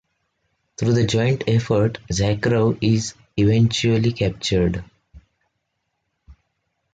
Through the joint effort, Zakharov is eventually captured.